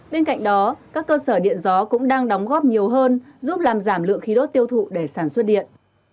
bên cạnh đó các cơ sở điện gió cũng đang đóng góp nhiều hơn giúp làm giảm lượng khí đốt tiêu thụ để sản xuất điện